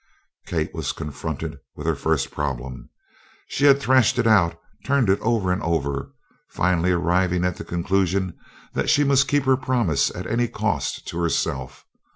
Kate was confronted with her first problem. She had threshed it out, turned it over and over, finally arriving at the conclusion that she must keep her promise at any cost to herself.